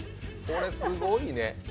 これ、すごいね。